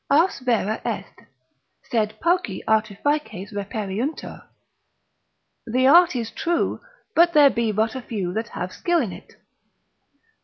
Ars vera est, sed pauci artifices reperiuntur; the art is true, but there be but a few that have skill in it.